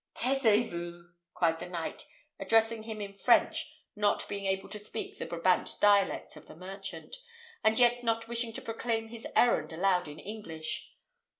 "Taisez vous!" cried the knight, addressing him in French, not being able to speak the Brabant dialect of the merchant, and yet not wishing to proclaim his errand aloud in English.